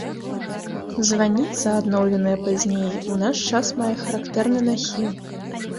Званіца, адноўленая пазней, у наш час мае характэрны нахіл.